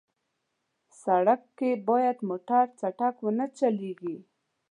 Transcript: سړک کې باید موټر چټک ونه چلېږي.